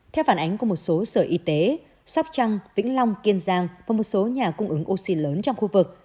theo phản ánh của một số sở y tế sóc trăng vĩnh long kiên giang và một số nhà cung ứng oxy lớn trong khu vực